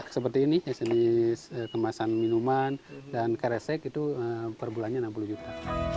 seperti ini jenis kemasan minuman dan keresek itu perbulannya enam puluh juta